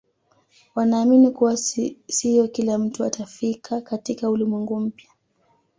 wanaamini kuwa siyo kila mtu atafika katika ulimwengu mpya